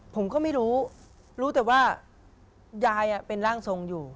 ผมก็ไม่รู้รู้รู้แต่ว่ายายเป็นร่างทรงอยู่